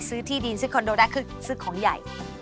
ที่ดินซื้อคอนโดได้คือซื้อของใหญ่